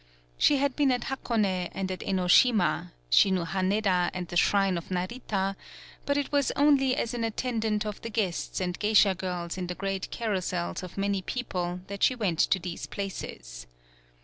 She had been at Hakone and at Enoshima, she knew Haneda and the shrine of Narita, but it was only as an attendant of the guests and geisha girls in the great carousels of many people that she went to these places.